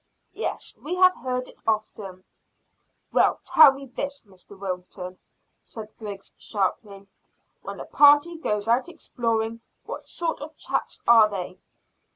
"Yes, we have heard it often." "Then tell me this, Mr Wilton," said Griggs sharply. "When a party goes out exploring, what sort of chaps are they?"